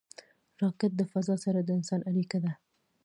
راکټ د فضا سره د انسان اړیکه ده